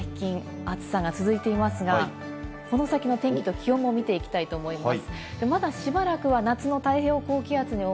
最近、暑さが続いていますが、この先の天気と気温を見ていきたいと思います。